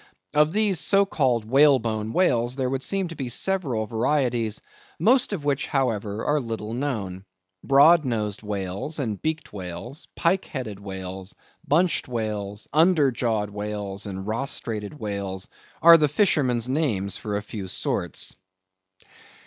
Of these so called Whalebone whales, there would seem to be several varieties, most of which, however, are little known. Broad nosed whales and beaked whales; pike headed whales; bunched whales; under jawed whales and rostrated whales, are the fishermen's names for a few sorts.